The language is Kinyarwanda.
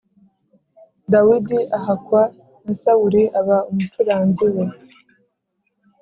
Dawidi ahakwa na Sawuli aba umucuranzi we